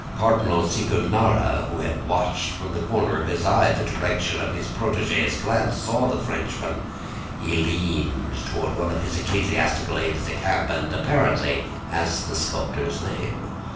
Cardinal Cicognara, who had watched from the corner of his eye the direction of his protege's glance, saw the Frenchman; he leaned toward one of his ecclesiastical aides de camp, and apparently asked the sculptor's name.